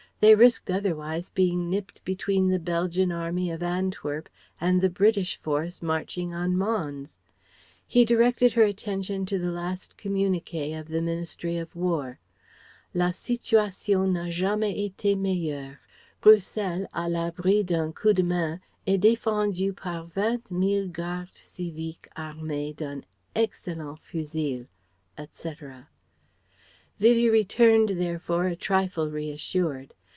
They risked otherwise being nipped between the Belgian army of Antwerp and the British force marching on Mons.... He directed her attention to the last communiqué of the Ministry of War: "La situation n'a jamais été meilleure. Bruxelles, à l'abri d'un coup de main, est défendue par vingt mille gardes civiques armés d'un excellent fusil," etc. Vivie returned therefore a trifle reassured.